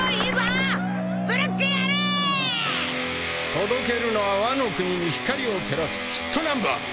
届けるのはワノ国に光を照らすヒットナンバー！